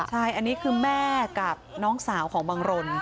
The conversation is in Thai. ใช่อันนี้คือแม่กับน้องสาวของบังรน